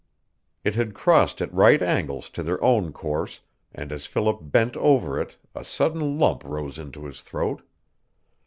It had crossed at right angles to their own course, and as Philip bent over it a sudden lump rose into his throat.